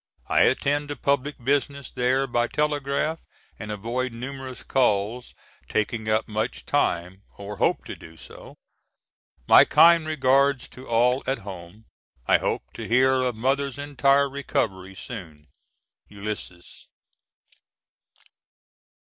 I attend to public business there by telegraph and avoid numerous calls taking up much time, or hope to do so. My kind regards to all at home. I hope to hear of Mother's entire recovery soon. ULYSSES.